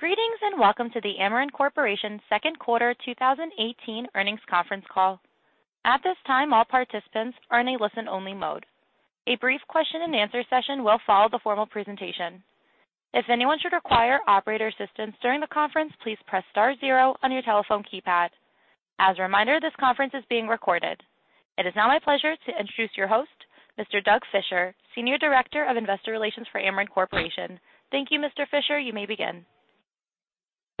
Greetings. Welcome to the Ameren Corporation second quarter 2018 earnings conference call. At this time, all participants are in a listen-only mode. A brief question and answer session will follow the formal presentation. If anyone should require operator assistance during the conference, please press star zero on your telephone keypad. As a reminder, this conference is being recorded. It is now my pleasure to introduce your host, Mr. Douglas Fischer, Senior Director of Investor Relations for Ameren Corporation. Thank you, Mr. Fischer. You may begin.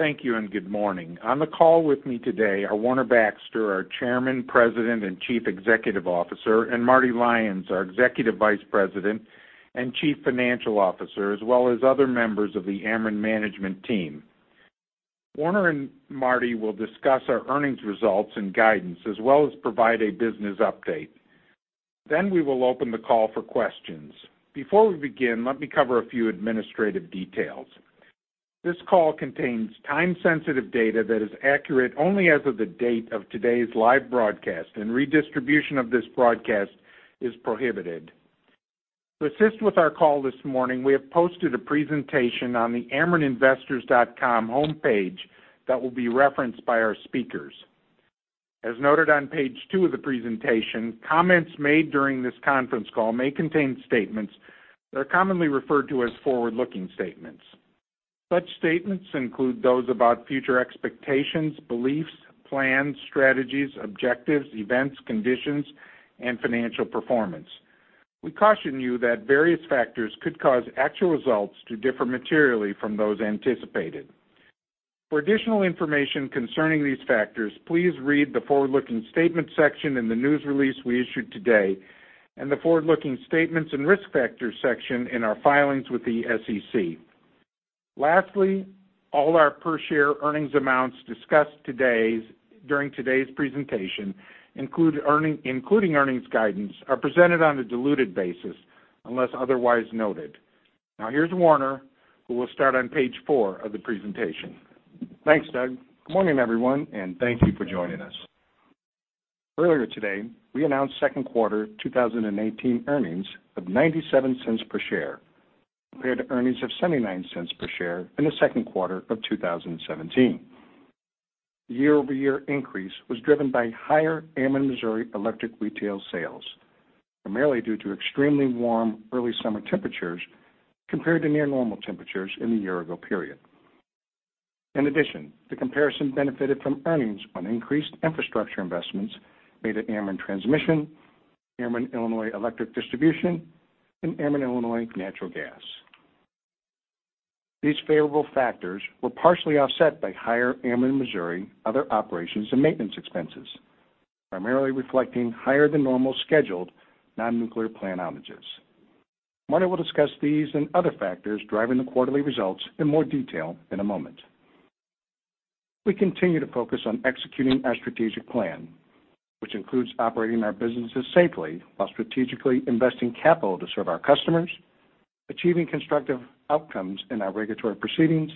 Thank you. Good morning. On the call with me today are Warner Baxter, our Chairman, President, and Chief Executive Officer, and Marty Lyons, our Executive Vice President and Chief Financial Officer, as well as other members of the Ameren management team. Warner and Marty will discuss our earnings results and guidance, as well as provide a business update. We will open the call for questions. Before we begin, let me cover a few administrative details. This call contains time-sensitive data that is accurate only as of the date of today's live broadcast, and redistribution of this broadcast is prohibited. To assist with our call this morning, we have posted a presentation on the amereninvestors.com homepage that will be referenced by our speakers. As noted on page two of the presentation, comments made during this conference call may contain statements that are commonly referred to as forward-looking statements. Such statements include those about future expectations, beliefs, plans, strategies, objectives, events, conditions, and financial performance. We caution you that various factors could cause actual results to differ materially from those anticipated. For additional information concerning these factors, please read the Forward-Looking Statement section in the news release we issued today, and the Forward-Looking Statements and Risk Factors section in our filings with the SEC. Lastly, all our per-share earnings amounts discussed during today's presentation, including earnings guidance, are presented on a diluted basis unless otherwise noted. Here's Warner, who will start on page four of the presentation. Thanks, Doug. Good morning, everyone. Thank you for joining us. Earlier today, we announced second quarter 2018 earnings of $0.97 per share compared to earnings of $0.79 per share in the second quarter of 2017. Year-over-year increase was driven by higher Ameren Missouri Electric retail sales, primarily due to extremely warm early summer temperatures compared to near normal temperatures in the year-ago period. In addition, the comparison benefited from earnings on increased infrastructure investments made at Ameren Transmission, Ameren Illinois Electric Distribution, and Ameren Illinois Natural Gas. These favorable factors were partially offset by higher Ameren Missouri other operations and maintenance expenses, primarily reflecting higher than normal scheduled non-nuclear plant outages. Marty will discuss these and other factors driving the quarterly results in more detail in a moment. We continue to focus on executing our strategic plan, which includes operating our businesses safely while strategically investing capital to serve our customers, achieving constructive outcomes in our regulatory proceedings,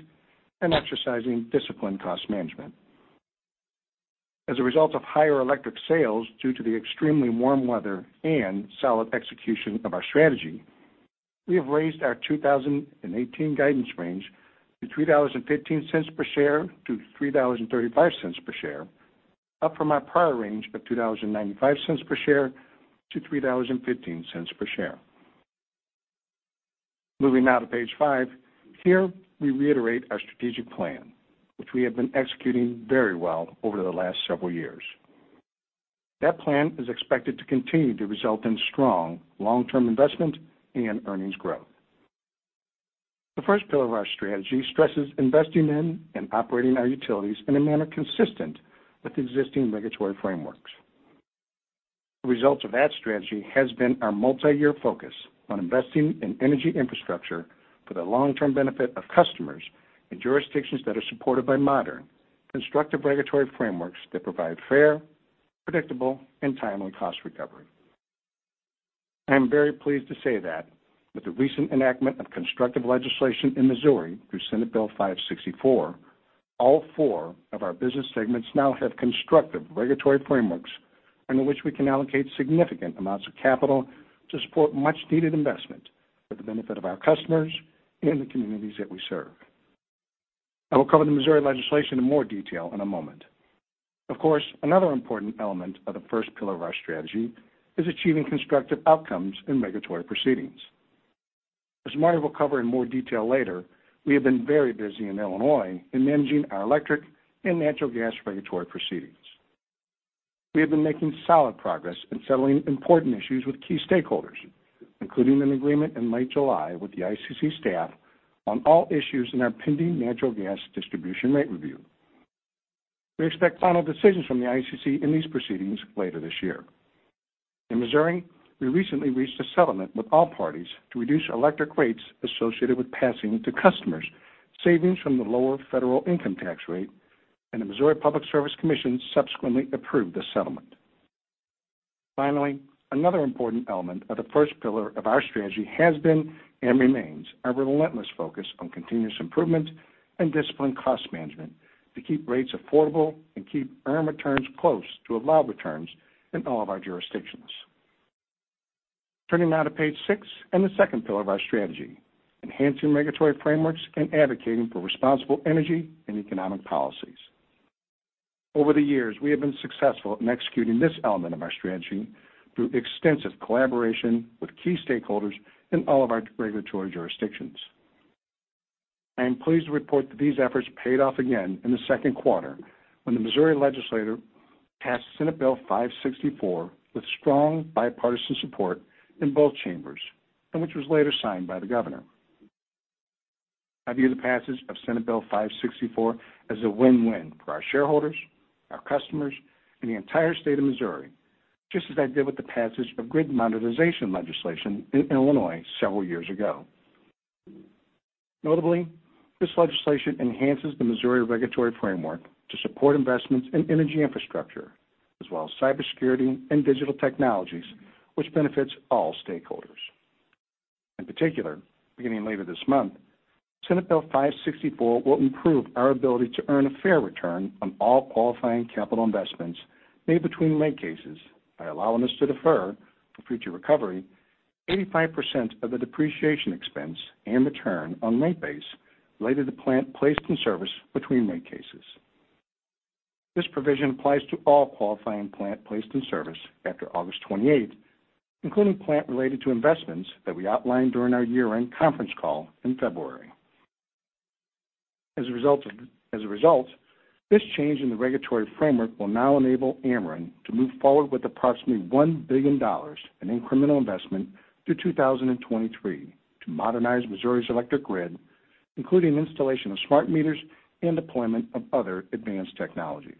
and exercising disciplined cost management. As a result of higher electric sales due to the extremely warm weather and solid execution of our strategy, we have raised our 2018 guidance range to $3.15 per share to $3.35 per share, up from our prior range of $2.95 per share to $3.15 per share. Moving now to page five. Here, we reiterate our strategic plan, which we have been executing very well over the last several years. That plan is expected to continue to result in strong long-term investment and earnings growth. The first pillar of our strategy stresses investing in and operating our utilities in a manner consistent with existing regulatory frameworks. The results of that strategy has been our multi-year focus on investing in energy infrastructure for the long-term benefit of customers and jurisdictions that are supported by modern, constructive regulatory frameworks that provide fair, predictable, and timely cost recovery. I am very pleased to say that with the recent enactment of constructive legislation in Missouri through Senate Bill 564, all four of our business segments now have constructive regulatory frameworks under which we can allocate significant amounts of capital to support much-needed investment for the benefit of our customers and the communities that we serve. I will cover the Missouri legislation in more detail in a moment. Of course, another important element of the first pillar of our strategy is achieving constructive outcomes in regulatory proceedings. As Marty will cover in more detail later, we have been very busy in Illinois in managing our electric and natural gas regulatory proceedings. We have been making solid progress in settling important issues with key stakeholders, including an agreement in late July with the ICC staff on all issues in our pending natural gas distribution rate review. We expect final decisions from the ICC in these proceedings later this year. In Missouri, we recently reached a settlement with all parties to reduce electric rates associated with passing to customers, savings from the lower federal income tax rate, and the Missouri Public Service Commission subsequently approved the settlement. Finally, another important element of the first pillar of our strategy has been and remains our relentless focus on continuous improvement and disciplined cost management to keep rates affordable and keep earn returns close to allowed returns in all of our jurisdictions. Turning now to page six and the second pillar of our strategy, enhancing regulatory frameworks and advocating for responsible energy and economic policies. Over the years, we have been successful in executing this element of our strategy through extensive collaboration with key stakeholders in all of our regulatory jurisdictions. I am pleased to report that these efforts paid off again in the second quarter when the Missouri legislature passed Senate Bill 564 with strong bipartisan support in both chambers, and which was later signed by the governor. I view the passage of Senate Bill 564 as a win-win for our shareholders, our customers, and the entire state of Missouri, just as I did with the passage of grid modernization legislation in Illinois several years ago. Notably, this legislation enhances the Missouri regulatory framework to support investments in energy infrastructure, as well as cybersecurity and digital technologies, which benefits all stakeholders. In particular, beginning later this month, Senate Bill 564 will improve our ability to earn a fair return on all qualifying capital investments made between rate cases by allowing us to defer for future recovery 85% of the depreciation expense and return on rate base related to plant placed in service between rate cases. This provision applies to all qualifying plant placed in service after August 28th, including plant-related investments that we outlined during our year-end conference call in February. As a result, this change in the regulatory framework will now enable Ameren to move forward with approximately $1 billion in incremental investment through 2023 to modernize Missouri's electric grid, including installation of smart meters and deployment of other advanced technologies.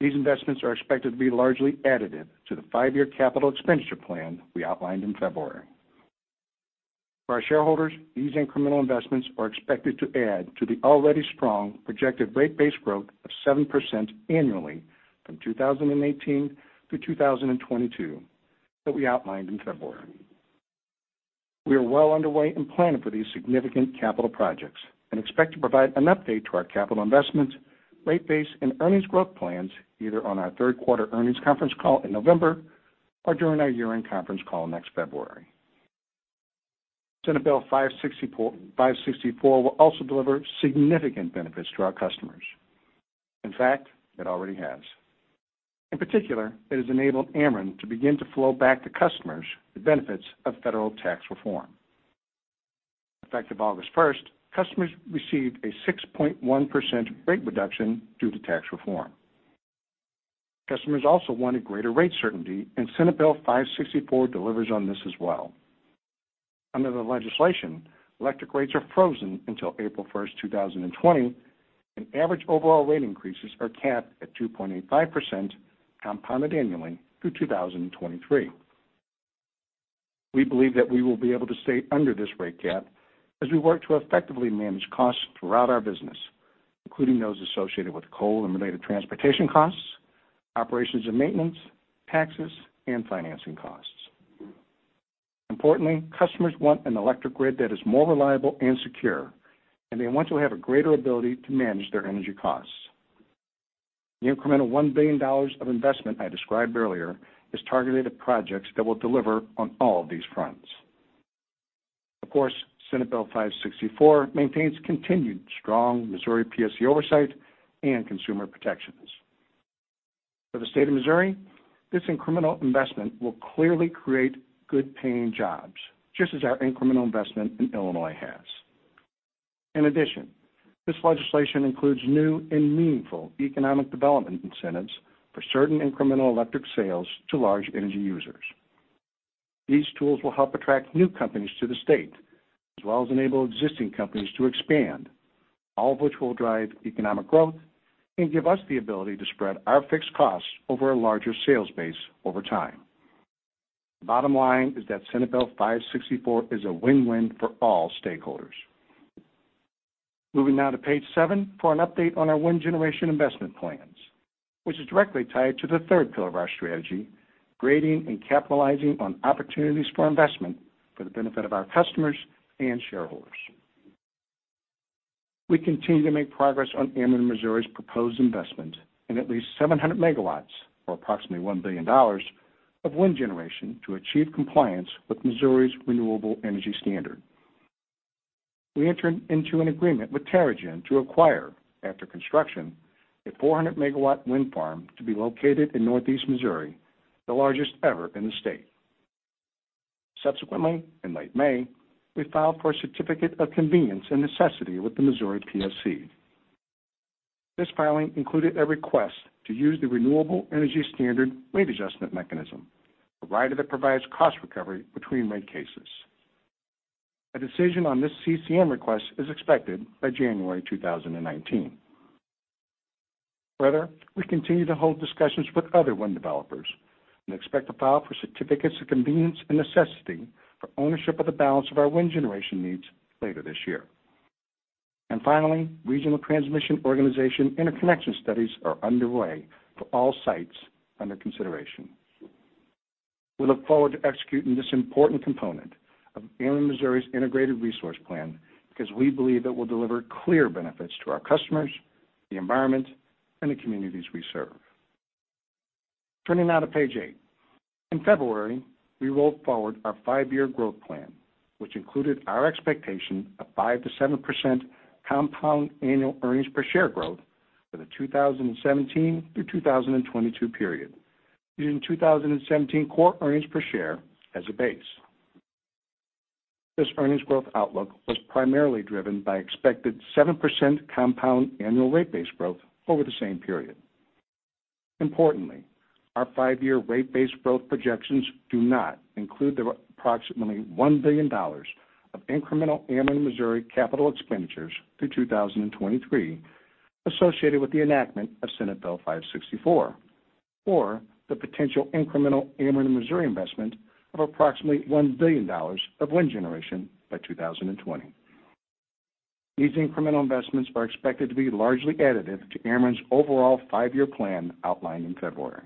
These investments are expected to be largely additive to the five-year capital expenditure plan we outlined in February. For our shareholders, these incremental investments are expected to add to the already strong projected rate base growth of 7% annually from 2018 to 2022 that we outlined in February. We are well underway in planning for these significant capital projects and expect to provide an update to our capital investments, rate base, and earnings growth plans either on our third-quarter earnings conference call in November or during our year-end conference call next February. Senate Bill 564 will also deliver significant benefits to our customers. In fact, it already has. In particular, it has enabled Ameren to begin to flow back to customers the benefits of federal tax reform. Effective August 1st, customers received a 6.1% rate reduction due to tax reform. Customers also wanted greater rate certainty, and Senate Bill 564 delivers on this as well. Under the legislation, electric rates are frozen until April 1st, 2020, and average overall rate increases are capped at 2.85% compounded annually through 2023. We believe that we will be able to stay under this rate cap as we work to effectively manage costs throughout our business, including those associated with coal and related transportation costs, operations and maintenance, taxes, and financing costs. Importantly, customers want an electric grid that is more reliable and secure, and they want to have a greater ability to manage their energy costs. The incremental $1 billion of investment I described earlier is targeted at projects that will deliver on all of these fronts. Of course, Senate Bill 564 maintains continued strong Missouri PSC oversight and consumer protections. For the state of Missouri, this incremental investment will clearly create good-paying jobs, just as our incremental investment in Illinois has. In addition, this legislation includes new and meaningful economic development incentives for certain incremental electric sales to large energy users. These tools will help attract new companies to the state, as well as enable existing companies to expand, all of which will drive economic growth and give us the ability to spread our fixed costs over a larger sales base over time. The bottom line is that Senate Bill 564 is a win-win for all stakeholders. Moving now to page seven for an update on our wind generation investment plans, which is directly tied to the third pillar of our strategy, creating and capitalizing on opportunities for investment for the benefit of our customers and shareholders. We continue to make progress on Ameren Missouri's proposed investment in at least 700 megawatts, or approximately $1 billion, of wind generation to achieve compliance with Missouri's Renewable Energy Standard. We entered into an agreement with Terra-Gen to acquire, after construction, a 400-megawatt wind farm to be located in Northeast Missouri, the largest ever in the state. Subsequently, in late May, we filed for a Certificate of Convenience and Necessity with the Missouri PSC. This filing included a request to use the Renewable Energy Standard Rate Adjustment Mechanism, a rider that provides cost recovery between rate cases. A decision on this CCN request is expected by January 2019. Finally, we continue to hold discussions with other wind developers and expect to file for Certificates of Convenience and Necessity for ownership of the balance of our wind generation needs later this year. Regional transmission organization interconnection studies are underway for all sites under consideration. We look forward to executing this important component of Ameren Missouri's integrated resource plan because we believe it will deliver clear benefits to our customers, the environment, and the communities we serve. Turning now to page eight. In February, we rolled forward our five-year growth plan, which included our expectation of 5%-7% compound annual earnings per share growth for the 2017 through 2022 period, using 2017 core earnings per share as a base. This earnings growth outlook was primarily driven by expected 7% compound annual rate base growth over the same period. Importantly, our five-year rate base growth projections do not include the approximately $1 billion of incremental Ameren Missouri capital expenditures through 2023 associated with the enactment of Senate Bill 564, or the potential incremental Ameren Missouri investment of approximately $1 billion of wind generation by 2020. These incremental investments are expected to be largely additive to Ameren's overall five-year plan outlined in February.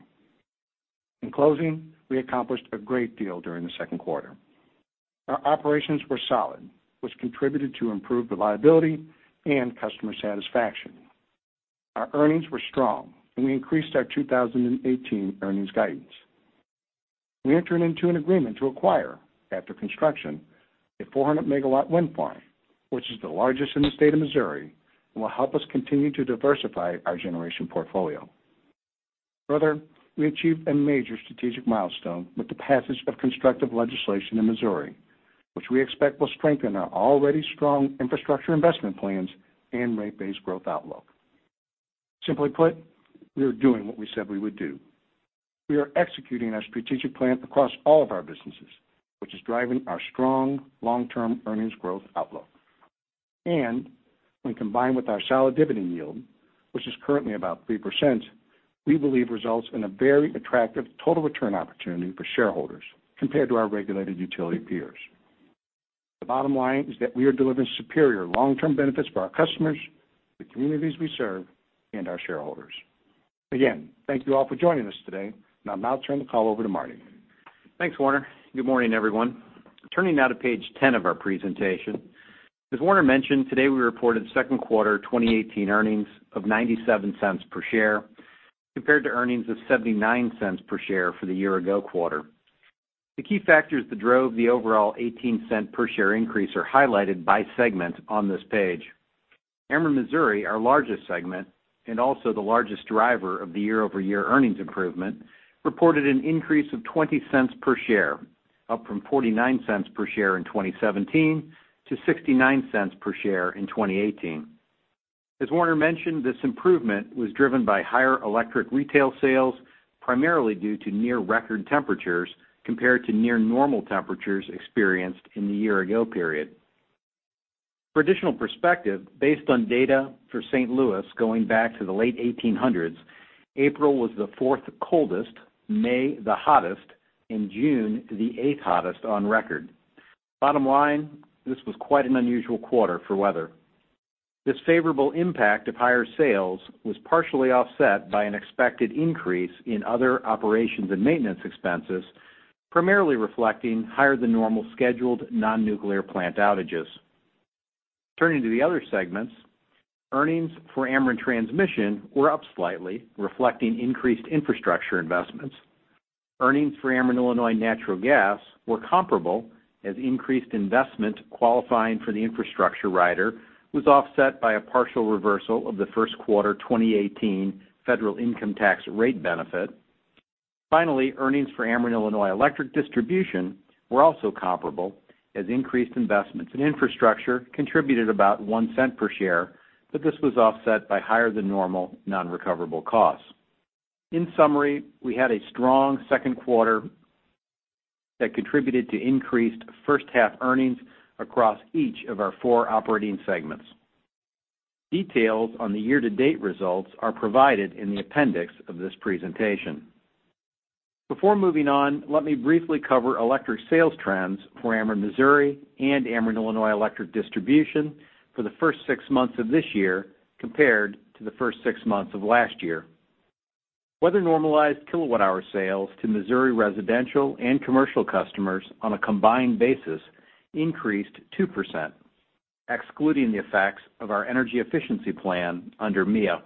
In closing, we accomplished a great deal during the second quarter. Our operations were solid, which contributed to improved reliability and customer satisfaction. Our earnings were strong, and we increased our 2018 earnings guidance. We entered into an agreement to acquire, after construction, a 400-megawatt wind farm, which is the largest in the state of Missouri and will help us continue to diversify our generation portfolio. Further, we achieved a major strategic milestone with the passage of constructive legislation in Missouri, which we expect will strengthen our already strong infrastructure investment plans and rate base growth outlook. Simply put, we are doing what we said we would do. We are executing our strategic plan across all of our businesses, which is driving our strong long-term earnings growth outlook. When combined with our solid dividend yield, which is currently about 3%, we believe results in a very attractive total return opportunity for shareholders compared to our regulated utility peers. The bottom line is that we are delivering superior long-term benefits for our customers, the communities we serve, and our shareholders. Again, thank you all for joining us today, and I'll now turn the call over to Marty. Thanks, Warner. Good morning, everyone. Turning now to page 10 of our presentation. As Warner mentioned, today we reported second quarter 2018 earnings of $0.97 per share, compared to earnings of $0.79 per share for the year-ago quarter. The key factors that drove the overall $0.18 per share increase are highlighted by segment on this page. Ameren Missouri, our largest segment and also the largest driver of the year-over-year earnings improvement, reported an increase of $0.20 per share, up from $0.49 per share in 2017 to $0.69 per share in 2018. As Warner mentioned, this improvement was driven by higher electric retail sales, primarily due to near-record temperatures compared to near-normal temperatures experienced in the year-ago period. For additional perspective, based on data for St. Louis going back to the late 1800s, April was the fourth coldest, May the hottest, and June the eighth hottest on record. Bottom line, this was quite an unusual quarter for weather. This favorable impact of higher sales was partially offset by an expected increase in other operations and maintenance expenses, primarily reflecting higher-than-normal scheduled non-nuclear plant outages. Turning to the other segments, earnings for Ameren Transmission were up slightly, reflecting increased infrastructure investments. Earnings for Ameren Illinois Natural Gas were comparable as increased investment qualifying for the infrastructure rider was offset by a partial reversal of the first quarter 2018 federal income tax rate benefit. Finally, earnings for Ameren Illinois Electric Distribution were also comparable as increased investments in infrastructure contributed about $0.01 per share. This was offset by higher-than-normal non-recoverable costs. In summary, we had a strong second quarter that contributed to increased first half earnings across each of our four operating segments. Details on the year-to-date results are provided in the appendix of this presentation. Before moving on, let me briefly cover electric sales trends for Ameren Missouri and Ameren Illinois Electric Distribution for the first six months of this year compared to the first six months of last year. Weather-normalized kilowatt-hour sales to Missouri residential and commercial customers on a combined basis increased 2%, excluding the effects of our energy efficiency plan under MEEIA.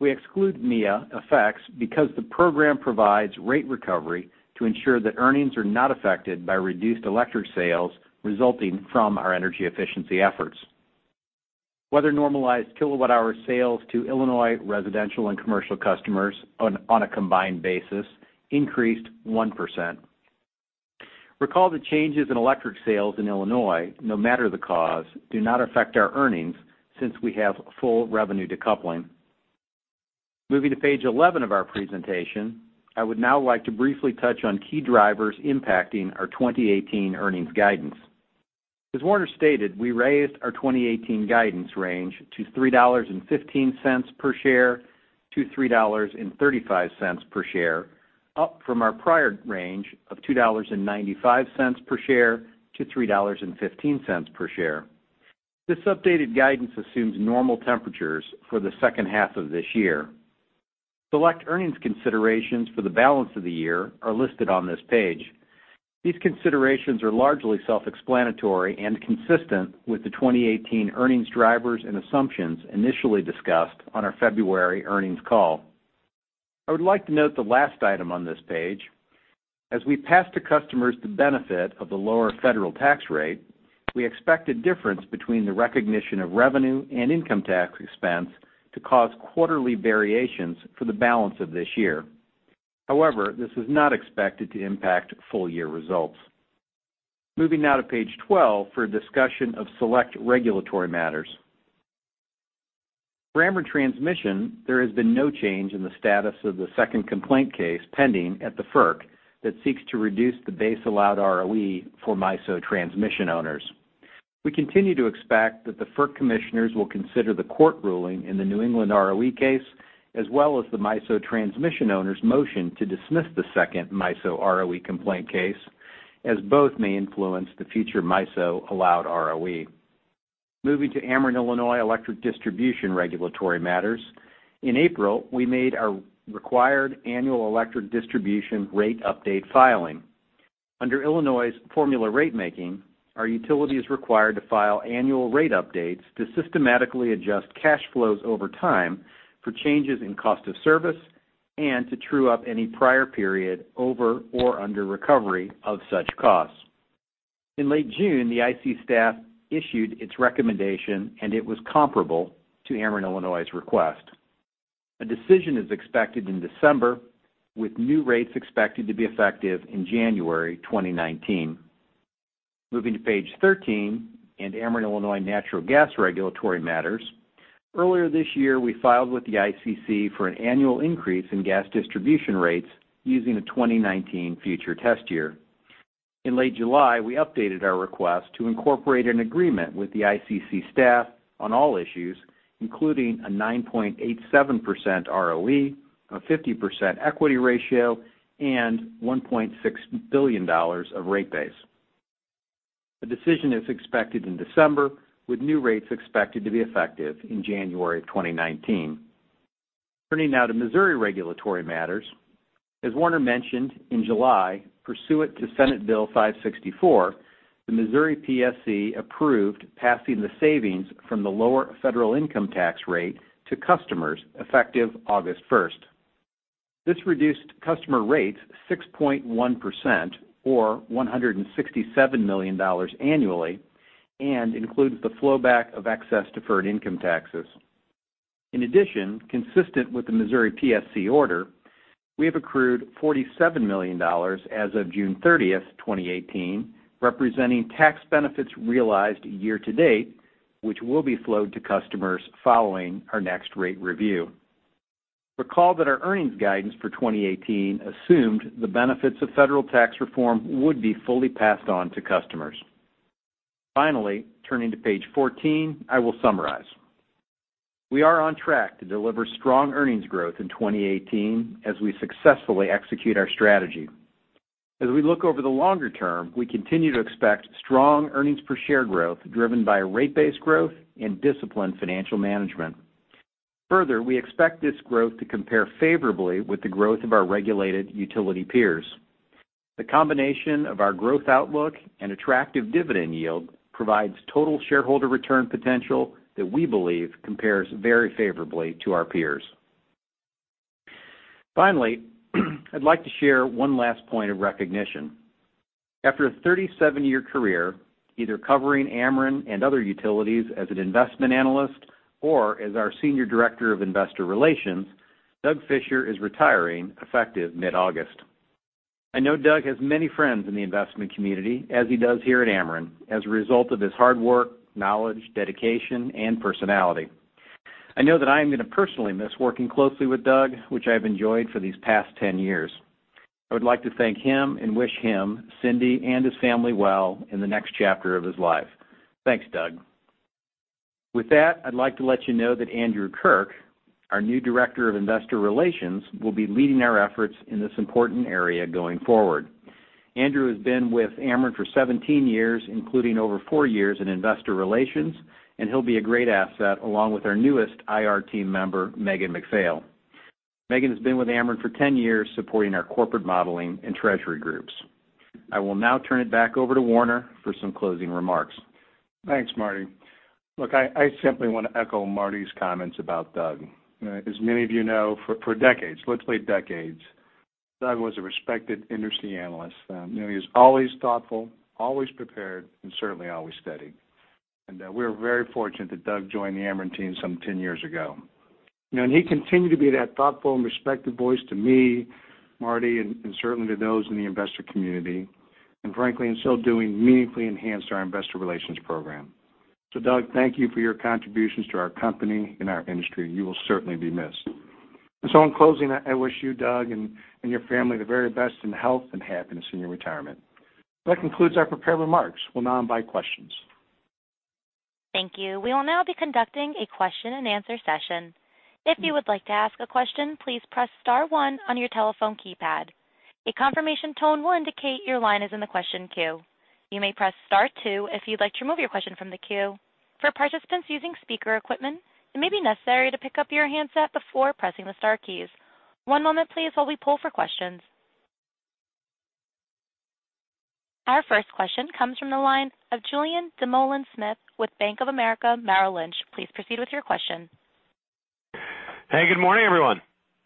We exclude MEEIA effects because the program provides rate recovery to ensure that earnings are not affected by reduced electric sales resulting from our energy efficiency efforts. Weather-normalized kilowatt-hour sales to Illinois residential and commercial customers on a combined basis increased 1%. Recall that changes in electric sales in Illinois, no matter the cause, do not affect our earnings since we have full revenue decoupling. Moving to page 11 of our presentation, I would now like to briefly touch on key drivers impacting our 2018 earnings guidance. As Warner stated, we raised our 2018 guidance range to $3.15 per share to $3.35 per share, up from our prior range of $2.95 per share to $3.15 per share. This updated guidance assumes normal temperatures for the second half of this year. Select earnings considerations for the balance of the year are listed on this page. These considerations are largely self-explanatory and consistent with the 2018 earnings drivers and assumptions initially discussed on our February earnings call. I would like to note the last item on this page. As we pass to customers the benefit of the lower federal tax rate, we expect a difference between the recognition of revenue and income tax expense to cause quarterly variations for the balance of this year. However, this is not expected to impact full-year results. Moving now to page 12 for a discussion of select regulatory matters. For Ameren Transmission, there has been no change in the status of the second complaint case pending at the FERC that seeks to reduce the base allowed ROE for MISO transmission owners. We continue to expect that the FERC commissioners will consider the court ruling in the New England ROE case, as well as the MISO transmission owners' motion to dismiss the second MISO ROE complaint case, as both may influence the future MISO allowed ROE. Moving to Ameren Illinois electric distribution regulatory matters. In April, we made our required annual electric distribution rate update filing. Under Illinois' formula ratemaking, our utility is required to file annual rate updates to systematically adjust cash flows over time for changes in cost of service and to true up any prior period over or under recovery of such costs. In late June, the ICC staff issued its recommendation, and it was comparable to Ameren Illinois' request. A decision is expected in December, with new rates expected to be effective in January 2019. Moving to page 13 and Ameren Illinois natural gas regulatory matters. Earlier this year, we filed with the ICC for an annual increase in gas distribution rates using a 2019 future test year. In late July, we updated our request to incorporate an agreement with the ICC staff on all issues, including a 9.87% ROE, a 50% equity ratio, and $1.6 billion of rate base. A decision is expected in December, with new rates expected to be effective in January of 2019. Turning now to Missouri regulatory matters. As Warner mentioned, in July, pursuant to Senate Bill 564, the Missouri PSC approved passing the savings from the lower federal income tax rate to customers effective August first. This reduced customer rates 6.1%, or $167 million annually, and includes the flow back of excess deferred income taxes. In addition, consistent with the Missouri PSC order, we have accrued $47 million as of June 30th, 2018, representing tax benefits realized year to date, which will be flowed to customers following our next rate review. Recall that our earnings guidance for 2018 assumed the benefits of federal tax reform would be fully passed on to customers. Finally, turning to page 14, I will summarize. We are on track to deliver strong earnings growth in 2018 as we successfully execute our strategy. As we look over the longer term, we continue to expect strong earnings-per-share growth driven by rate-based growth and disciplined financial management. Further, we expect this growth to compare favorably with the growth of our regulated utility peers. The combination of our growth outlook and attractive dividend yield provides total shareholder return potential that we believe compares very favorably to our peers. Finally, I'd like to share one last point of recognition. After a 37-year career, either covering Ameren and other utilities as an investment analyst or as our senior director of investor relations, Doug Fischer is retiring effective mid-August. I know Doug has many friends in the investment community, as he does here at Ameren, as a result of his hard work, knowledge, dedication, and personality. I know that I am going to personally miss working closely with Doug, which I have enjoyed for these past 10 years. I would like to thank him and wish him, Cindy, and his family well in the next chapter of his life. Thanks, Doug. With that, I'd like to let you know that Andrew Kirk, our new Director of Investor Relations, will be leading our efforts in this important area going forward. Andrew has been with Ameren for 17 years, including over four years in investor relations, and he'll be a great asset along with our newest IR team member, Megan MacPhail. Megan has been with Ameren for 10 years, supporting our corporate modeling and treasury groups. I will now turn it back over to Warner for some closing remarks. Thanks, Marty. Look, I simply want to echo Marty's comments about Doug. As many of you know, for decades, literally decades, Doug was a respected industry analyst. He was always thoughtful, always prepared, and certainly always steady. We were very fortunate that Doug joined the Ameren team some 10 years ago. He continued to be that thoughtful and respected voice to me, Marty, and certainly to those in the investor community, and frankly, in so doing, meaningfully enhanced our investor relations program. So Doug, thank you for your contributions to our company and our industry. You will certainly be missed. In closing, I wish you, Doug, and your family the very best in health and happiness in your retirement. That concludes our prepared remarks. We'll now invite questions. Thank you. We will now be conducting a question-and-answer session. If you would like to ask a question, please press star one on your telephone keypad. A confirmation tone will indicate your line is in the question queue. You may press star 2 if you would like to remove your question from the queue. For participants using speaker equipment, it may be necessary to pick up your handset before pressing the star keys. One moment please while we poll for questions. Our first question comes from the line of Julien Dumoulin-Smith with Bank of America Merrill Lynch. Please proceed with your question. Hey, good morning, everyone.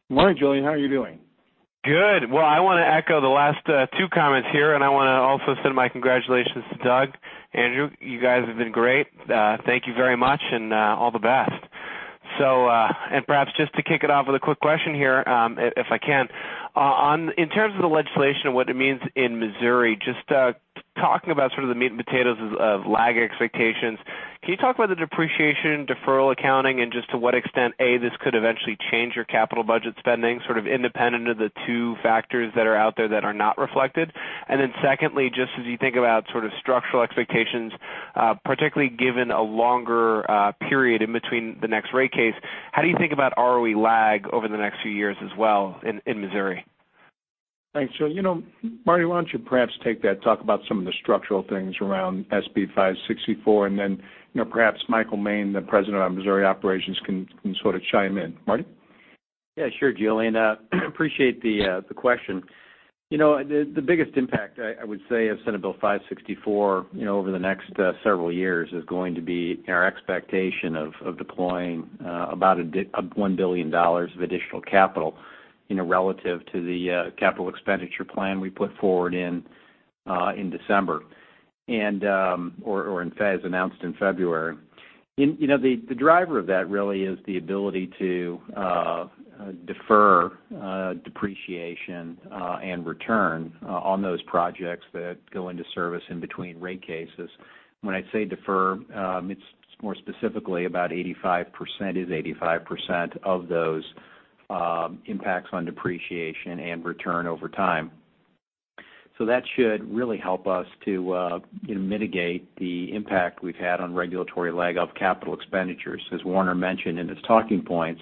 Morning, Julien. How are you doing? Good. I want to echo the last two comments here. I want to also send my congratulations to Doug, Andrew. You guys have been great. Thank you very much, and all the best. Perhaps just to kick it off with a quick question here, if I can, in terms of the legislation and what it means in Missouri, just talking about sort of the meat and potatoes of lag expectations, can you talk about the depreciation, deferral accounting, and just to what extent, A, this could eventually change your capital budget spending, sort of independent of the two factors that are out there that are not reflected? Secondly, just as you think about sort of structural expectations, particularly given a longer period in between the next rate case, how do you think about ROE lag over the next few years as well in Missouri? Thanks, Julien. Marty, why don't you perhaps take that, talk about some of the structural things around SB 564, and then, perhaps Michael Moehn, the president of Missouri operations, can sort of chime in. Marty? Yeah, sure, Julien. Appreciate the question. The biggest impact, I would say, of Senate Bill 564, over the next several years is going to be our expectation of deploying about $1 billion of additional capital relative to the capital expenditure plan we put forward in December, or as announced in February. The driver of that really is the ability to defer depreciation and return on those projects that go into service in between rate cases. When I say defer, it's more specifically about 85% of those impacts on depreciation and return over time. That should really help us to mitigate the impact we've had on regulatory lag of capital expenditures. As Warner mentioned in his talking points,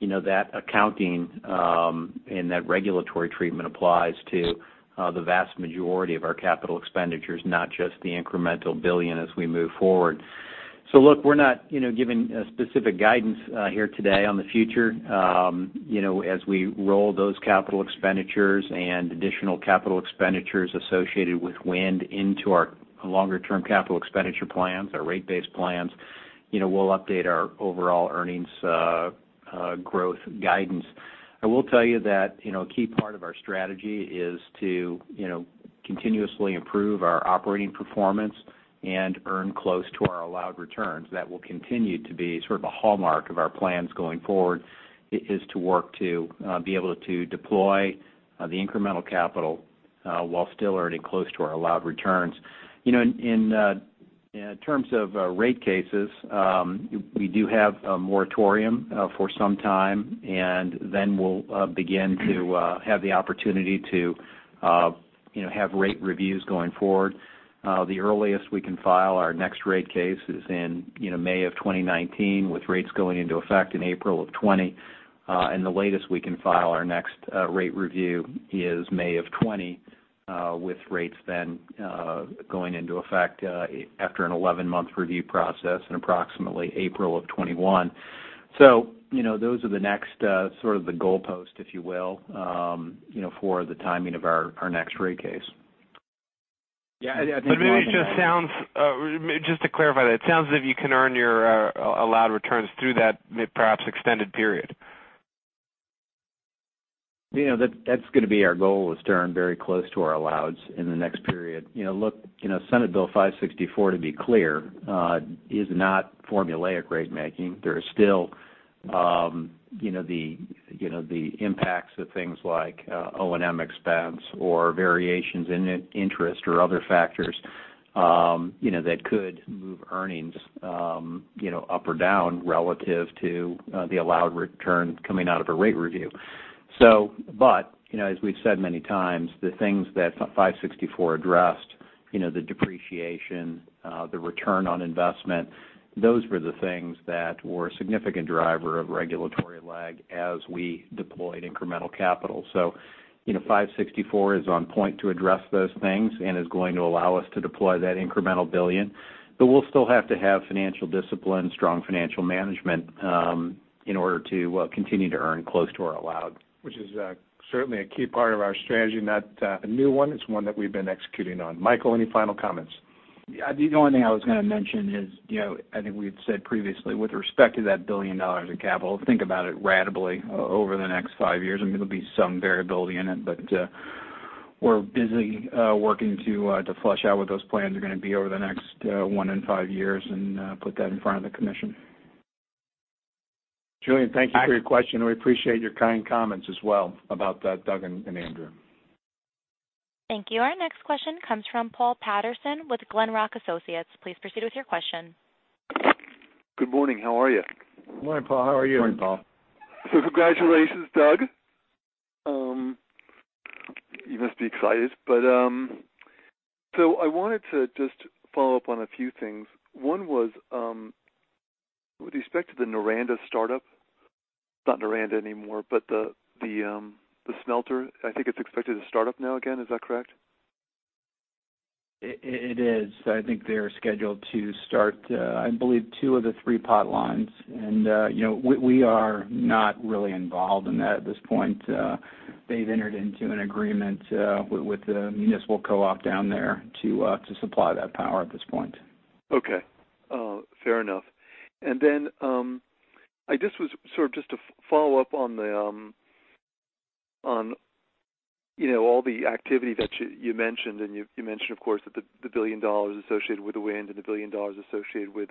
that accounting and that regulatory treatment applies to the vast majority of our capital expenditures, not just the incremental billion as we move forward. Look, we're not giving specific guidance here today on the future. As we roll those capital expenditures and additional capital expenditures associated with wind into our longer-term capital expenditure plans, our rate-based plans, we'll update our overall earnings growth guidance. I will tell you that a key part of our strategy is to continuously improve our operating performance and earn close to our allowed returns. That will continue to be sort of a hallmark of our plans going forward, is to work to be able to deploy the incremental capital while still earning close to our allowed returns. In terms of rate cases, we do have a moratorium for some time, and then we'll begin to have the opportunity to have rate reviews going forward. The earliest we can file our next rate case is in May of 2019, with rates going into effect in April of 2020. The latest we can file our next rate review is May of 2020, with rates then going into effect after an 11-month review process in approximately April of 2021. Those are the next sort of the goalposts, if you will, for the timing of our next rate case. Yeah, I think. Maybe just to clarify that, it sounds as if you can earn your allowed returns through that perhaps extended period. That's going to be our goal is to earn very close to our alloweds in the next period. Look, Senate Bill 564, to be clear, is not formulaic ratemaking. There are still the impacts of things like O&M expense or variations in interest or other factors that could move earnings up or down relative to the allowed return coming out of a rate review. As we've said many times, the things that 564 addressed, the depreciation, the return on investment, those were the things that were a significant driver of regulatory lag as we deployed incremental capital. 564 is on point to address those things and is going to allow us to deploy that incremental $1 billion. We'll still have to have financial discipline, strong financial management in order to continue to earn close to our allowed. Which is certainly a key part of our strategy, not a new one. It's one that we've been executing on. Michael, any final comments? The only thing I was going to mention is, I think we had said previously, with respect to that $1 billion in capital, think about it ratably over the next five years. I mean, there'll be some variability in it, but we're busy working to flush out what those plans are going to be over the next one and five years and put that in front of the commission. Julien, thank you for your question, and we appreciate your kind comments as well about Doug and Andrew. Thank you. Our next question comes from Paul Patterson with Glenrock Associates. Please proceed with your question. Good morning. How are you? Morning, Paul. How are you? Morning, Paul. Congratulations, Doug. You must be excited. I wanted to just follow up on a few things. One was with respect to the Noranda startup, it's not Noranda anymore, but the smelter, I think it's expected to start up now again, is that correct? It is. I think they are scheduled to start, I believe, two of the three pot lines. We are not really involved in that at this point. They've entered into an agreement with the municipal co-op down there to supply that power at this point. Okay. Fair enough. Just to follow up on all the activity that you mentioned, and you mentioned, of course, that the $1 billion associated with the wind and the $1 billion associated with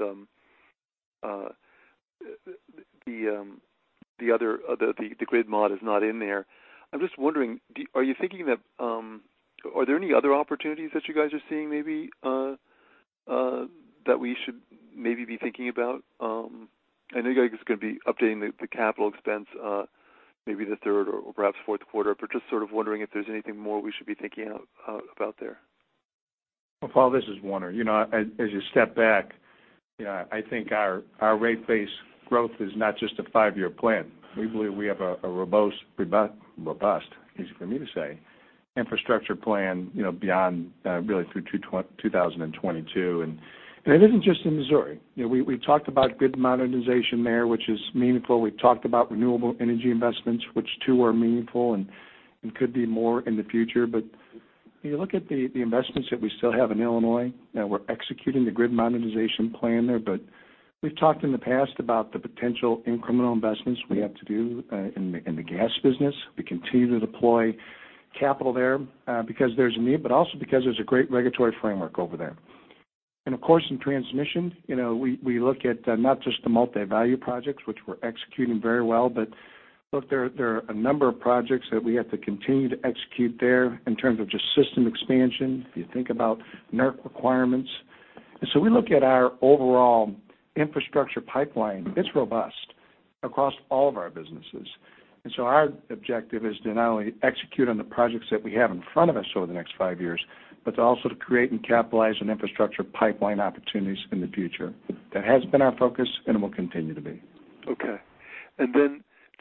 the other, the grid mod is not in there. I'm just wondering, are there any other opportunities that you guys are seeing maybe that we should maybe be thinking about? I know you guys are going to be updating the capital expense, maybe the third or perhaps fourth quarter, but just sort of wondering if there's anything more we should be thinking about there. Well, Paul, this is Warner. As you step back, I think our rate base growth is not just a five-year plan. We believe we have a robust, easy for me to say, infrastructure plan beyond really through 2022. It isn't just in Missouri. We talked about grid modernization there, which is meaningful. We've talked about renewable energy investments, which too are meaningful and could be more in the future. When you look at the investments that we still have in Illinois, now we're executing the grid modernization plan there, but we've talked in the past about the potential incremental investments we have to do in the gas business. We continue to deploy capital there because there's a need, but also because there's a great regulatory framework over there. Of course, in transmission, we look at not just the Multi-Value Projects, which we're executing very well, but look, there are a number of projects that we have to continue to execute there in terms of just system expansion, if you think about NERC requirements. We look at our overall infrastructure pipeline, it's robust across all of our businesses. Our objective is to not only execute on the projects that we have in front of us over the next five years, but to also to create and capitalize on infrastructure pipeline opportunities in the future. That has been our focus, and it will continue to be. Okay.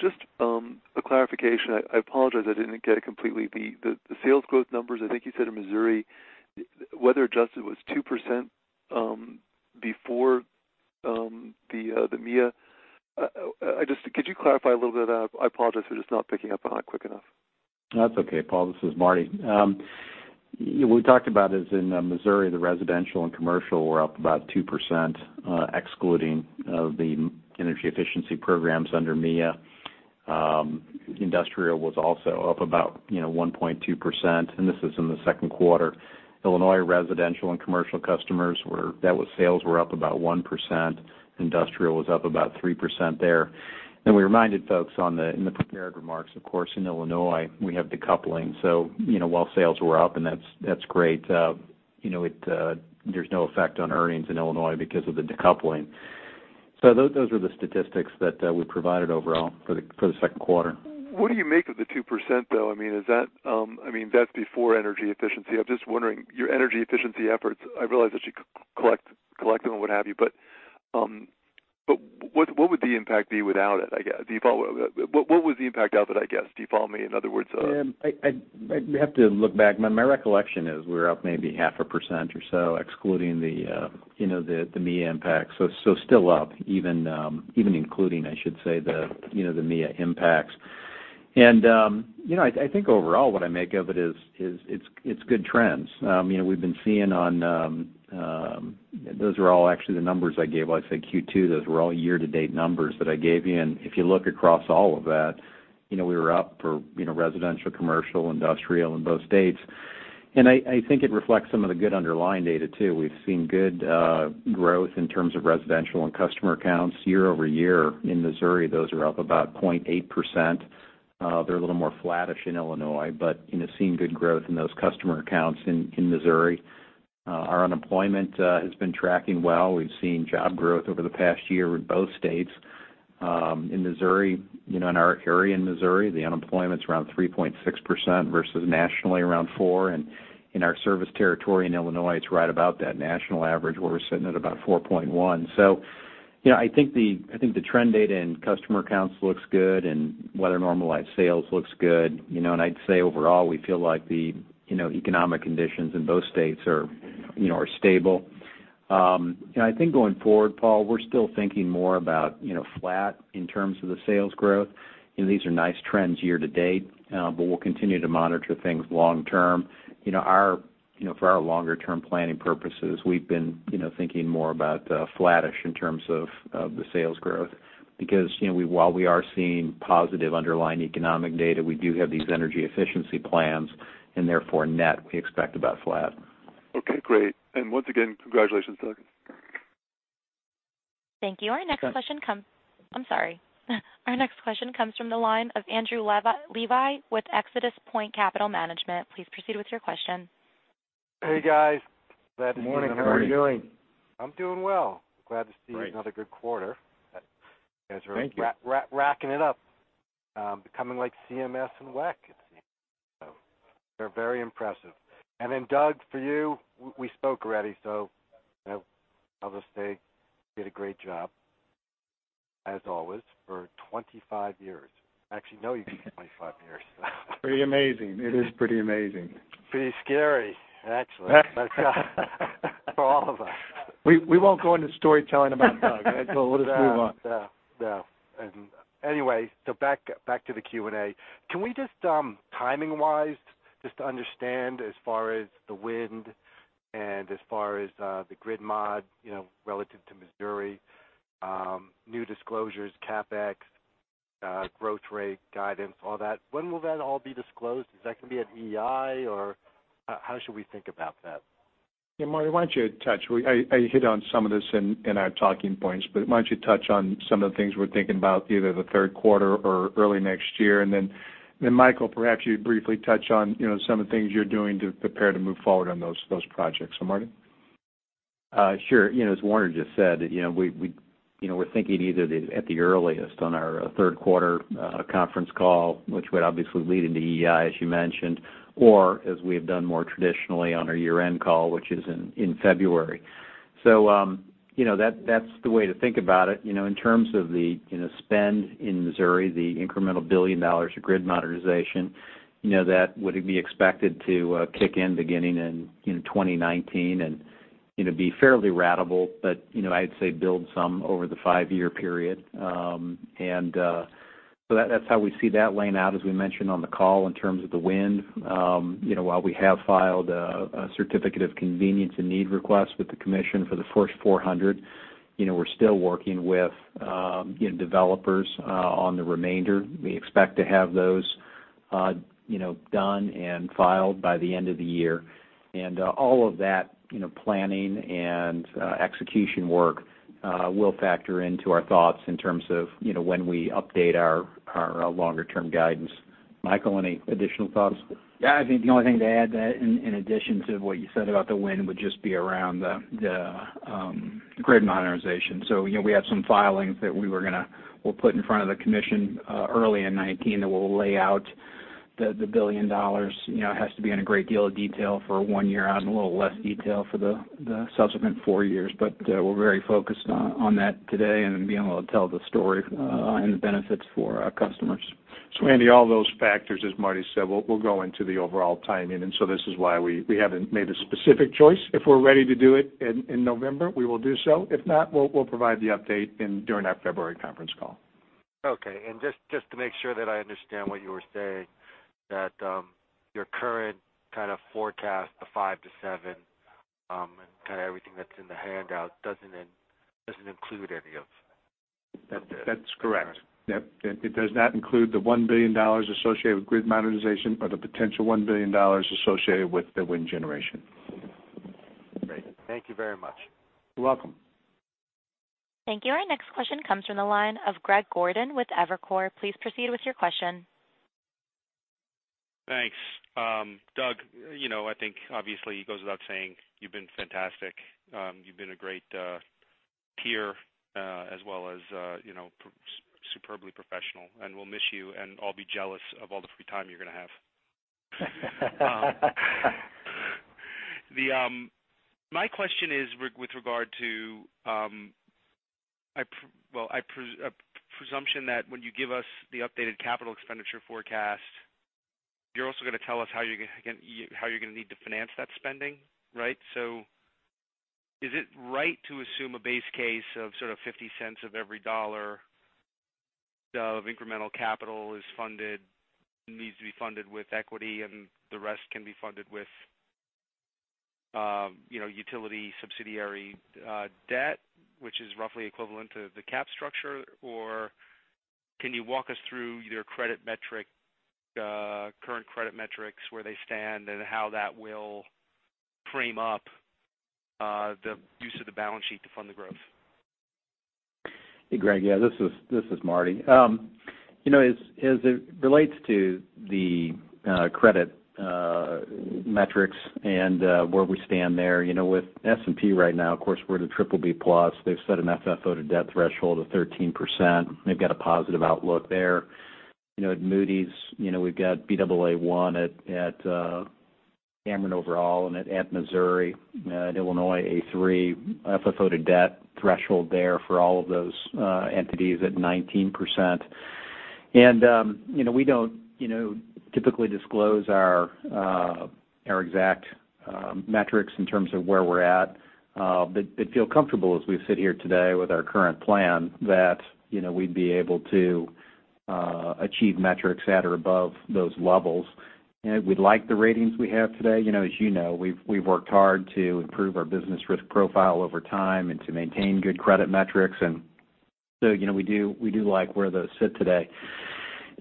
Just a clarification. I apologize, I didn't get it completely. The sales growth numbers, I think you said in Missouri, weather-adjusted was 2% before the MEEIA. Could you clarify a little bit? I apologize for just not picking up on that quick enough. That's okay, Paul. This is Marty. We talked about is in Missouri, the residential and commercial were up about 2% excluding the energy efficiency programs under MEEIA. Industrial was also up about 1.2%, and this is in the second quarter. Illinois residential and commercial customers, net sales were up about 1%. Industrial was up about 3% there. We reminded folks in the prepared remarks, of course, in Illinois, we have decoupling. While sales were up, and that's great, there's no effect on earnings in Illinois because of the decoupling. Those are the statistics that we provided overall for the second quarter. What do you make of the 2%, though? That's before energy efficiency. I'm just wondering, your energy efficiency efforts, I realize that you collect them and what have you, but what would the impact be without it? What was the impact of it, I guess? Do you follow me, in other words? I'd have to look back. My recollection is we were up maybe half a percent or so, excluding the MEEIA impact. Still up, even including, I should say, the MEEIA impacts. I think overall what I make of it is it's good trends. We've been seeing. Those are all actually the numbers I gave. When I say Q2, those were all year-to-date numbers that I gave you, and if you look across all of that, we were up for residential, commercial, industrial in both states. I think it reflects some of the good underlying data, too. We've seen good growth in terms of residential and customer accounts year-over-year. In Missouri, those are up about 0.8%. They're a little more flattish in Illinois, but seeing good growth in those customer accounts in Missouri. Our unemployment has been tracking well. We've seen job growth over the past year in both states. In Missouri, in our area in Missouri, the unemployment's around 3.6% versus nationally around 4%. In our service territory in Illinois, it's right about that national average where we're sitting at about 4.1%. I think the trend data and customer counts looks good, and weather-normalized sales looks good. I'd say overall, we feel like the economic conditions in both states are stable. I think going forward, Paul, we're still thinking more about flat in terms of the sales growth. These are nice trends year-to-date, but we'll continue to monitor things long term. For our longer-term planning purposes, we've been thinking more about flattish in terms of the sales growth because while we are seeing positive underlying economic data, we do have these energy efficiency plans, and therefore net, we expect about flat. Okay, great. Once again, congratulations. Thank you. Our next question comes from the line of Andrew Levi with ExodusPoint Capital Management. Please proceed with your question. Hey, guys. Glad to be here. Morning, how are you doing? I'm doing well. Glad to see another good quarter. Thank you. You guys are racking it up. Becoming like CMS and WEC. They're very impressive. Doug, for you, we spoke already, so I'll just say did a great job as always for 25 years. I actually know you for 25 years. Pretty amazing. It is pretty amazing. Pretty scary, actually. For all of us. We won't go into storytelling about Doug. We'll just move on. Yeah. Back to the Q&A. Can we just, timing-wise, just to understand as far as the wind and as far as the grid mod relative to Missouri, new disclosures, CapEx, growth rate guidance, all that. When will that all be disclosed? Is that going to be at EEI, or how should we think about that? Yeah, Marty, why don't you I hit on some of this in our talking points, but why don't you touch on some of the things we're thinking about, either the third quarter or early next year, and then, Michael, perhaps you briefly touch on some of the things you're doing to prepare to move forward on those projects. So, Marty? Sure. As Warner just said, we're thinking either at the earliest on our third quarter conference call, which would obviously lead into EEI, as you mentioned, or as we have done more traditionally on our year-end call, which is in February. That's the way to think about it. In terms of the spend in Missouri, the incremental $1 billion of grid modernization, that would be expected to kick in beginning in 2019 and be fairly ratable, but I'd say build some over the five-year period. That's how we see that laying out, as we mentioned on the call, in terms of the wind. While we have filed a Certificate of Convenience and Necessity request with the commission for the first 400, we're still working with developers on the remainder. We expect to have those done and filed by the end of the year. All of that planning and execution work will factor into our thoughts in terms of when we update our longer-term guidance. Michael, any additional thoughts? Yeah, I think the only thing to add to that in addition to what you said about the wind would just be around the grid modernization. We have some filings that we'll put in front of the commission early in 2019, that will lay out the $1 billion. It has to be in a great deal of detail for one year out and a little less detail for the subsequent four years. We're very focused on that today and being able to tell the story and the benefits for our customers. Andy, all those factors, as Marty said, will go into the overall timing. This is why we haven't made a specific choice. If we're ready to do it in November, we will do so. If not, we'll provide the update during our February conference call. Okay. Just to make sure that I understand what you were saying, that your current kind of forecast, the five to seven, and kind of everything that's in the handout doesn't include any of the- That's correct. Yep. It does not include the $1 billion associated with grid modernization or the potential $1 billion associated with the wind generation. Great. Thank you very much. You're welcome. Thank you. Our next question comes from the line of Greg Gordon with Evercore. Please proceed with your question. Thanks. Doug, I think obviously it goes without saying, you've been fantastic. You've been a great peer, as well as superbly professional, and we'll miss you, and I'll be jealous of all the free time you're going to have. My question is with regard to a presumption that when you give us the updated capital expenditure forecast, you're also going to tell us how you're going to need to finance that spending. Right? Is it right to assume a base case of sort of $0.50 of every $1 of incremental capital needs to be funded with equity and the rest can be funded with utility subsidiary debt, which is roughly equivalent to the cap structure? Can you walk us through your current credit metrics, where they stand, and how that will frame up the use of the balance sheet to fund the growth? Hey, Greg. Yeah, this is Marty. As it relates to the credit metrics and where we stand there, with S&P right now, of course, we're the BBB+. They've set an FFO to Debt threshold of 13%. They've got a positive outlook there. At Moody's, we've got Baa1 at Ameren overall, and at Missouri and Illinois, A3, FFO to Debt threshold there for all of those entities at 19%. We don't typically disclose our exact metrics in terms of where we're at. I feel comfortable as we sit here today with our current plan that we'd be able to achieve metrics at or above those levels. We like the ratings we have today. As you know, we've worked hard to improve our business risk profile over time and to maintain good credit metrics, we do like where those sit today.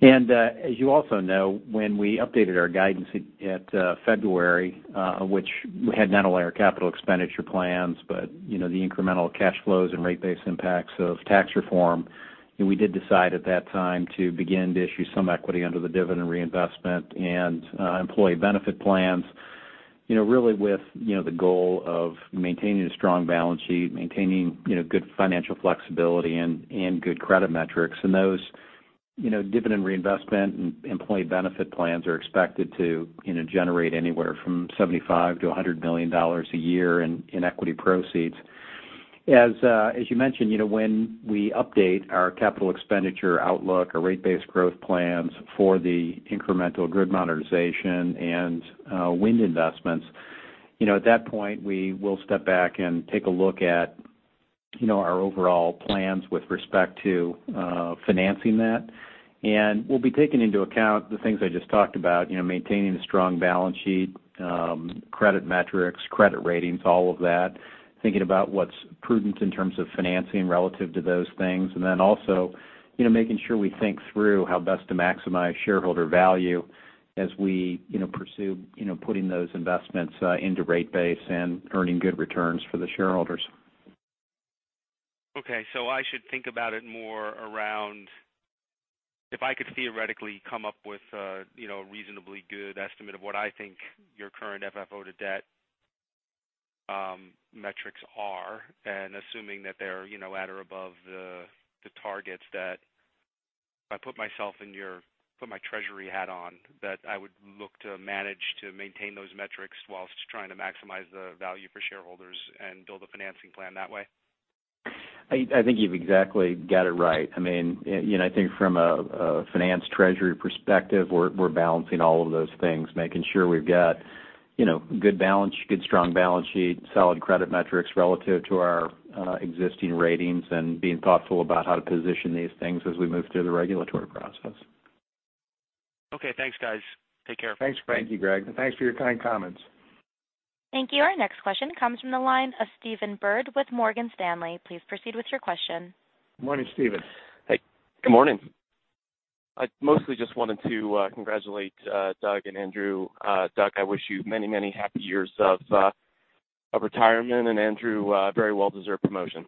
As you also know, when we updated our guidance at February, which we had not only our capital expenditure plans, but the incremental cash flows and rate base impacts of tax reform, we did decide at that time to begin to issue some equity under the dividend reinvestment and employee benefit plans. Really with the goal of maintaining a strong balance sheet, maintaining good financial flexibility and good credit metrics. And those dividend reinvestment and employee benefit plans are expected to generate anywhere from $75 million-$100 million a year in equity proceeds. As you mentioned, when we update our capital expenditure outlook or rate base growth plans for the incremental grid modernization and wind investments, at that point, we will step back and take a look at our overall plans with respect to financing that. We'll be taking into account the things I just talked about, maintaining a strong balance sheet, credit metrics, credit ratings, all of that, thinking about what's prudent in terms of financing relative to those things. Also making sure we think through how best to maximize shareholder value as we pursue putting those investments into rate base and earning good returns for the shareholders. Okay. I should think about it more around if I could theoretically come up with a reasonably good estimate of what I think your current FFO to Debt metrics are, assuming that they're at or above the targets that if I put my treasury hat on, that I would look to manage to maintain those metrics while trying to maximize the value for shareholders and build a financing plan that way? I think you've exactly got it right. I think from a finance treasury perspective, we're balancing all of those things, making sure we've got good strong balance sheet, solid credit metrics relative to our existing ratings, and being thoughtful about how to position these things as we move through the regulatory process. Okay, thanks, guys. Take care. Thanks. Thank you, Greg. Thanks for your kind comments. Thank you. Our next question comes from the line of Stephen Byrd with Morgan Stanley. Please proceed with your question. Morning, Stephen. Hey, good morning. I mostly just wanted to congratulate Doug and Andrew. Doug, I wish you many happy years of retirement, and Andrew, a very well-deserved promotion.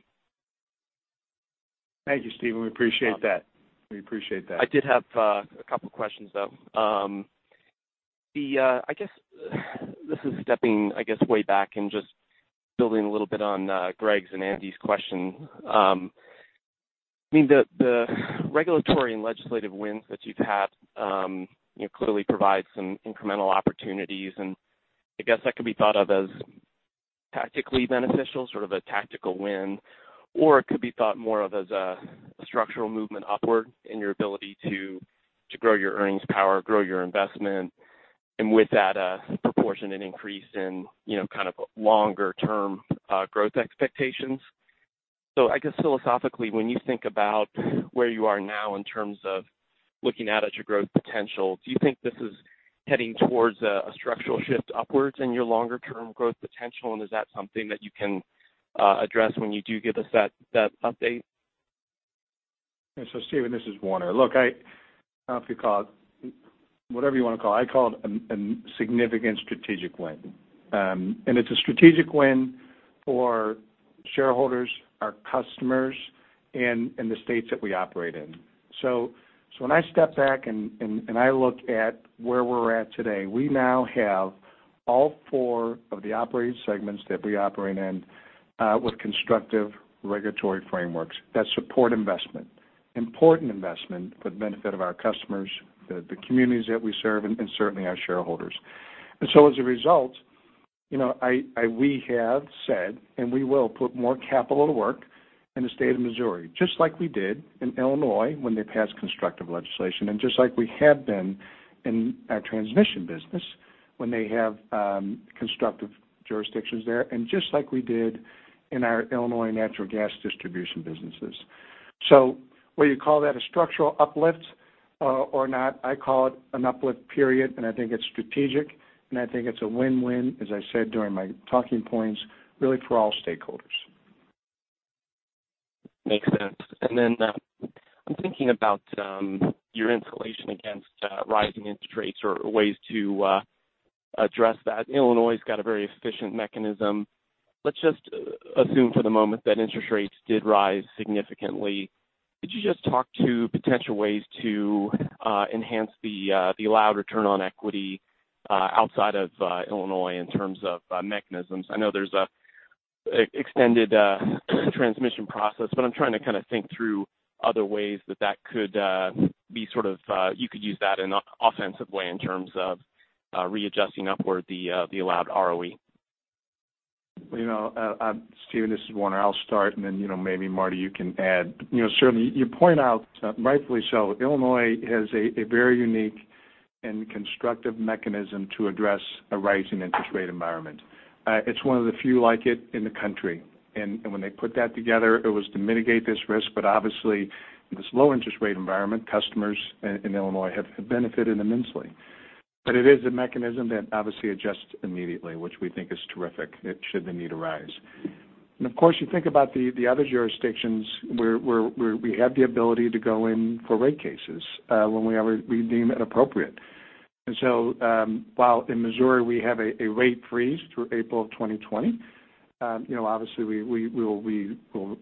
Thank you, Stephen. We appreciate that. I did have a couple questions, though. This is stepping, I guess, way back and just building a little bit on Greg's and Andrew's question. The regulatory and legislative wins that you've had clearly provide some incremental opportunities, and I guess that could be thought of as tactically beneficial, sort of a tactical win, or it could be thought more of as a structural movement upward in your ability to grow your earnings power, grow your investment, and with that, a proportionate increase in kind of longer-term growth expectations. I guess philosophically, when you think about where you are now in terms of looking out at your growth potential, do you think this is heading towards a structural shift upwards in your longer-term growth potential? Is that something that you can address when you do give us that update? Stephen, this is Warner. Look, I don't know if you call it, whatever you want to call it. I call it a significant strategic win. It's a strategic win for shareholders, our customers, and the states that we operate in. When I step back and I look at where we're at today, we now have all four of the operating segments that we operate in with constructive regulatory frameworks that support investment, important investment for the benefit of our customers, the communities that we serve, and certainly our shareholders. As a result, we have said, we will put more capital to work in the state of Missouri, just like we did in Illinois when they passed constructive legislation, just like we have been in our transmission business when they have constructive jurisdictions there, just like we did in our Illinois natural gas distribution businesses. Whether you call that a structural uplift or not, I call it an uplift, period, I think it's strategic, I think it's a win-win, as I said during my talking points, really for all stakeholders. Makes sense. I'm thinking about your insulation against rising interest rates or ways to address that. Illinois has got a very efficient mechanism. Let's just assume for the moment that interest rates did rise significantly. Could you just talk to potential ways to enhance the allowed return on equity outside of Illinois in terms of mechanisms? I know there's an extended transmission process, but I'm trying to kind of think through other ways that you could use that in an offensive way in terms of readjusting upward the allowed ROE. Stephen, this is Warner. I'll start, then maybe Marty, you can add. Certainly, you point out, rightfully so, Illinois has a very unique and constructive mechanism to address a rising interest rate environment. It's one of the few like it in the country. When they put that together, it was to mitigate this risk. Obviously, this low interest rate environment, customers in Illinois have benefited immensely. It is a mechanism that obviously adjusts immediately, which we think is terrific, should the need arise. Of course, you think about the other jurisdictions where we have the ability to go in for rate cases when we deem it appropriate. While in Missouri, we have a rate freeze through April of 2020 Obviously, we will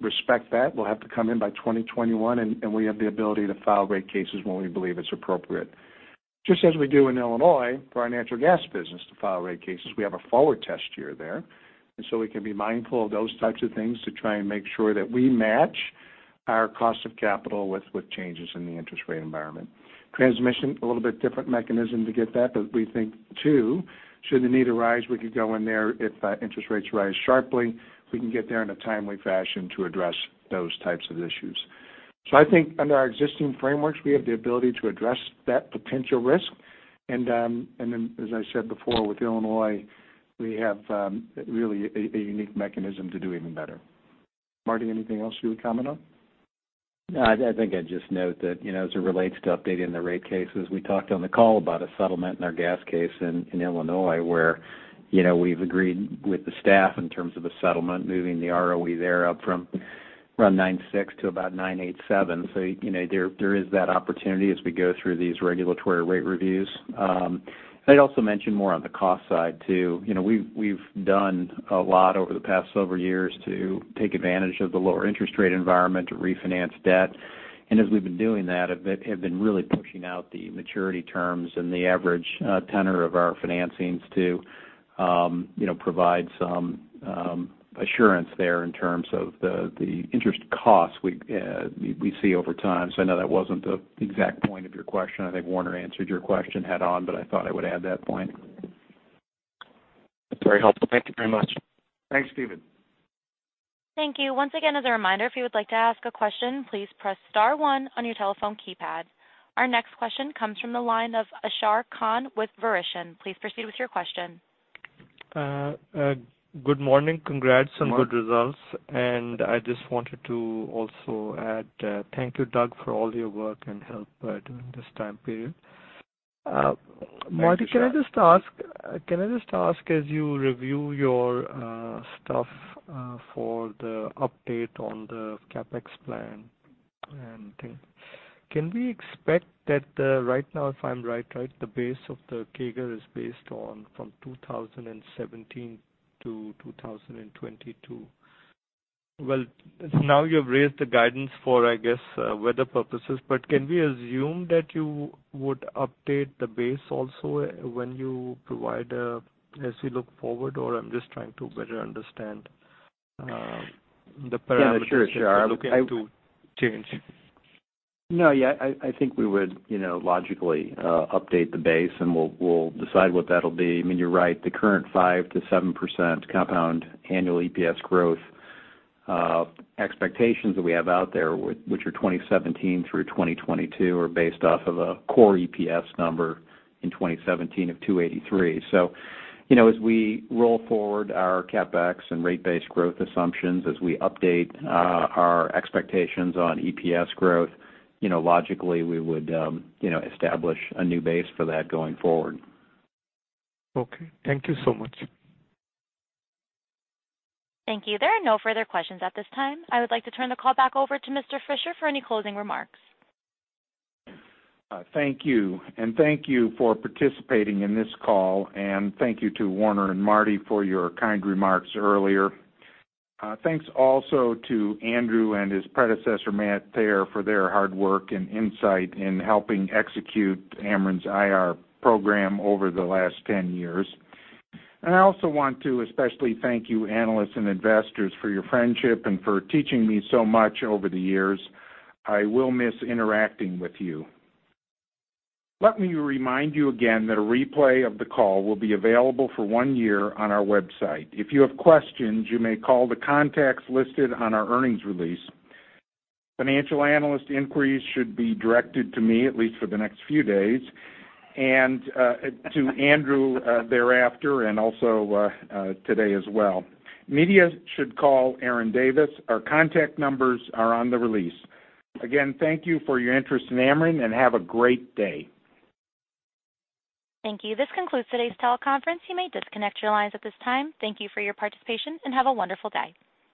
respect that. We'll have to come in by 2021, we have the ability to file rate cases when we believe it's appropriate, just as we do in Illinois for our natural gas business to file rate cases. We have a forward test year there, we can be mindful of those types of things to try and make sure that we match our cost of capital with changes in the interest rate environment. Transmission, a little bit different mechanism to get that, but we think too, should the need arise, we could go in there if interest rates rise sharply. We can get there in a timely fashion to address those types of issues. I think under our existing frameworks, we have the ability to address that potential risk. As I said before with Illinois, we have really a unique mechanism to do even better. Marty, anything else you would comment on? I think I'd just note that as it relates to updating the rate cases, we talked on the call about a settlement in our gas case in Ameren Illinois, where we've agreed with the staff in terms of a settlement, moving the ROE there up from around 9.6% to about 9.87%. There is that opportunity as we go through these regulatory rate reviews. I'd also mention more on the cost side too. We've done a lot over the past several years to take advantage of the lower interest rate environment to refinance debt. As we've been doing that, have been really pushing out the maturity terms and the average tenor of our financings to provide some assurance there in terms of the interest costs we see over time. I know that wasn't the exact point of your question. I think Warner answered your question head on. I thought I would add that point. That's very helpful. Thank you very much. Thanks, Stephen. Thank you. Once again, as a reminder, if you would like to ask a question, please press star one on your telephone keypad. Our next question comes from the line of Ashar Khan with Verition. Please proceed with your question. Good morning. Congrats on good results. I just wanted to also add, thank you, Doug, for all your work and help during this time period. Thanks, Ashar. Marty, can I just ask, as you review your stuff for the update on the CapEx plan and things, can we expect that right now, if I'm right, the base of the CAGR is based on from 2017 to 2022. Well, now you've raised the guidance for, I guess, weather purposes, can we assume that you would update the base also when you provide a, as we look forward, or I'm just trying to better understand the parameters. Yeah, sure, Ashar that you are looking to change. No, yeah, I think we would logically update the base, we'll decide what that'll be. You're right, the current 5%-7% compound annual EPS growth expectations that we have out there, which are 2017 through 2022, are based off of a core EPS number in 2017 of $2.83. As we roll forward our CapEx and rate-based growth assumptions, as we update our expectations on EPS growth, logically, we would establish a new base for that going forward. Okay. Thank you so much. Thank you. There are no further questions at this time. I would like to turn the call back over to Mr. Fischer for any closing remarks. Thank you. Thank you for participating in this call, and thank you to Warner and Marty for your kind remarks earlier. Thanks also to Andrew and his predecessor, Matt Thayer, for their hard work and insight in helping execute Ameren's IR program over the last 10 years. I also want to especially thank you, analysts and investors, for your friendship and for teaching me so much over the years. I will miss interacting with you. Let me remind you again that a replay of the call will be available for one year on our website. If you have questions, you may call the contacts listed on our earnings release. Financial analyst inquiries should be directed to me at least for the next few days, and to Andrew thereafter, and also today as well. Media should call Erin Davis. Our contact numbers are on the release. Again, thank you for your interest in Ameren, and have a great day. Thank you. This concludes today's teleconference. You may disconnect your lines at this time. Thank you for your participation, and have a wonderful day.